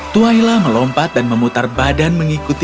tuhaila melompat dan memutar badan mengikuti dia